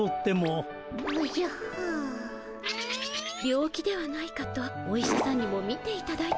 病気ではないかとお医者さんにもみていただいたのですが。